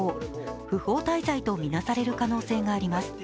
不法滞在とみなされる可能性があります。